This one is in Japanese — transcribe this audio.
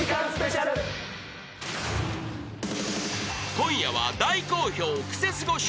［今夜は大好評クセスゴ笑